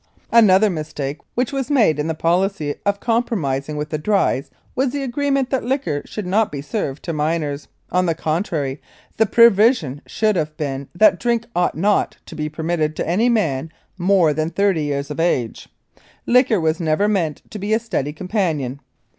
Another mistake which was made in the policy of compromising with the drys was the agreement that liquor should not be served to minors. On the contrary, the provision should have been that drink ought not to be permitted to any man more than thirty years of age. Liquor was never meant to be a steady companion.